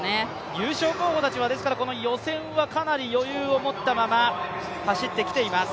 優勝候補たちは予選はかなり余裕を持ったまま走ってきています。